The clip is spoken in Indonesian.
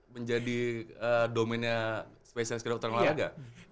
menjadi domennya spesialis ke dokteran olahraga